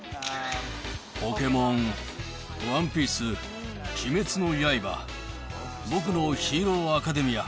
ポケモン、ＯＮＥＰＩＥＣＥ、鬼滅の刃、僕のヒーローアカデミア。